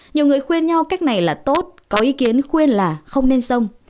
nhiều người khuyên nhau cách này là tốt có ý kiến khuyên là không nên sông